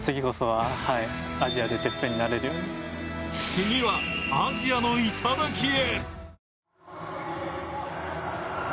次は、アジアの頂へ。